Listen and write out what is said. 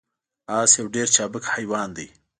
اس یو ډیر چابک حیوان دی